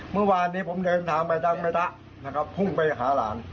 เมื่อวานนี้ผมเดินทางไปทางแม่ตะนะครับพุ่งไปหาหลาน